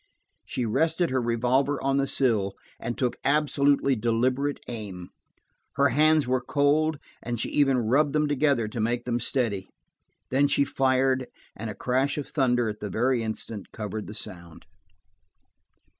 She rested her revolver on the sill and took absolutely deliberate aim. Her hands were cold, and she even rubbed them together, to make them steady. Then she fired, and a crash of thunder at the very instant covered the sound.